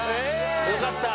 よかった。